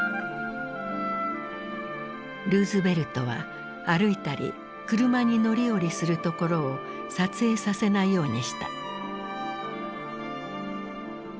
ルーズベルトは歩いたり車に乗り降りするところを撮影させないようにした。